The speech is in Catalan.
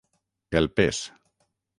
El pes.